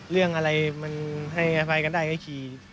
เรื่องอะไรมันให้อภัยกันได้ก็ขี่